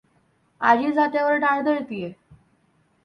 आजी जात्यावर डाळ दळत आहे.